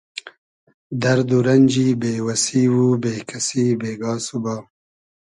دئرد و رئنجی بې وئسی و بې کئسی بېگا سوبا